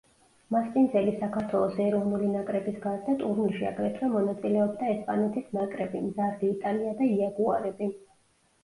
მასპინძელი საქართველოს ეროვნული ნაკრების გარდა, ტურნირში აგრეთვე მონაწილეობდა ესპანეთის ნაკრები, მზარდი იტალია და იაგუარები.